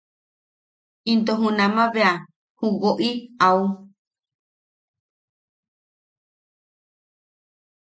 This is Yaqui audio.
Into junama bea ju woʼi au.